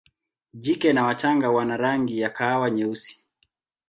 Jike na wachanga wana rangi ya kahawa nyeusi.